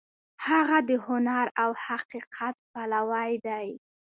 هغه د هنر او حقیقت پلوی دی.